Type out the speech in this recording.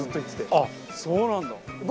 あっそうなんだ。